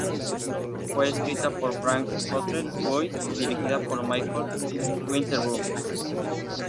Fue escrita por Frank Cottrell Boyce y dirigida por Michael Winterbottom.